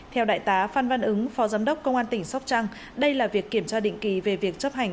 theo đại tá phan văn ứng phó giám đốc công an tỉnh sóc trăng đây là việc kiểm tra định kỳ về việc chấp hành